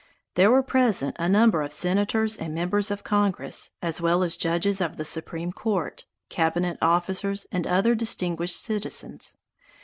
There were present a number of Senators and members of Congress, as well as judges of the Supreme Court, cabinet officers, and other distinguished citizens.